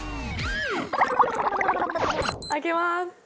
開けます。